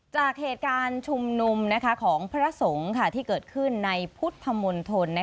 จากเหตุการณ์ชุมนุมของพระสงฆ์ที่เกิดขึ้นในพุทธมณฑล